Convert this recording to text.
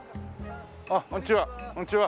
あっこんにちは。